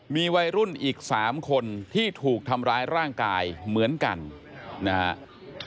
มีวัยรุ่นอีก๓คนที่ถูกทำร้ายร่างกายเหมือนกันนะครับ